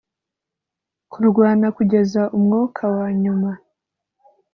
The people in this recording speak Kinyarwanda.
kurwana kugeza umwuka wanyuma.